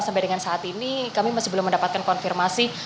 sampai dengan saat ini kami masih belum mendapatkan konfirmasi